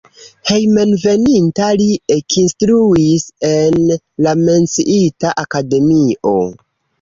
Hejmenveninta li ekinstruis en la menciita akademio.